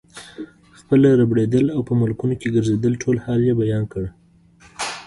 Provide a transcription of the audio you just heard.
خپل ربړېدل او په ملکونو کې ګرځېدل ټول حال یې بیان کړ.